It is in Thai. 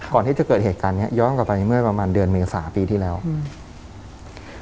ก่อนที่จะเกิดเหตุการณ์เนี้ยย้อนกลับไปเมื่อประมาณเดือนเมษาปีที่แล้วอืม